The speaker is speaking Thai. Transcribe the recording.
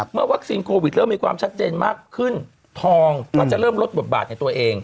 เมื่อวัคซีนโควิดเริ่มมีความชัดเจนมากขึ้นทองก็จะเริ่มลดบทบาทในตัวเอง